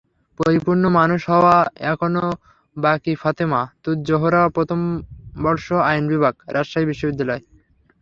পরিপূর্ণ মানুষ হওয়া এখনো বাকিফাতেমা তুজ জোহরাপ্রথম বর্ষ, আইন বিভাগ, রাজশাহী বিশ্ববিদ্যালয়।